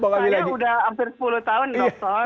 saya udah hampir sepuluh tahun doktor